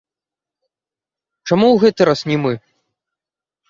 Чаму ў гэты раз не мы?